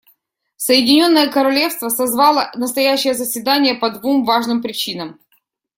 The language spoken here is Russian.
Соединенное Королевство созвало настоящее заседание по двум важным причинам.